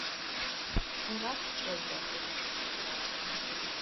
Murat ç'ele xhupxh.